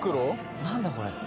・何だこれ？